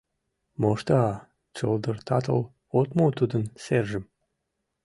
Мошта чылдыртатыл, от му тудын сержым.